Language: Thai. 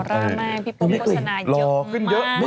ออร่าแม่งพี่โป๊ปโภชนายเยอะมาก